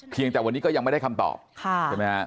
เพียงแต่วันนี้ก็ยังไม่ได้คำตอบ